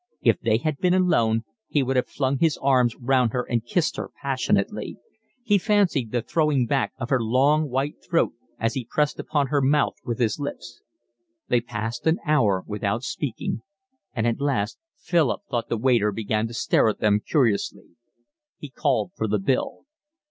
If they had been alone he would have flung his arms round her and kissed her passionately; he fancied the throwing back of her long white throat as he pressed upon her mouth with his lips. They passed an hour without speaking, and at last Philip thought the waiter began to stare at them curiously. He called for the bill.